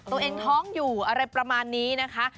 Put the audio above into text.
ตัวเองท้องอยู่อะไรประมาณนี้นะคะ